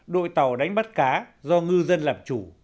đội tàu đánh bắt cá do ngư dân làm chủ